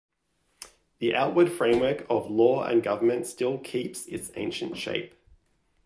The outward framework of law and government still keeps its ancient shape.